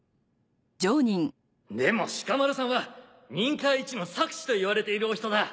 でもシカマルさんは忍界一の策士といわれているお人だ。